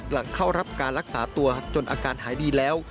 หลังเข้ารับการรักษาตัวจนอาการหายดีแล้ว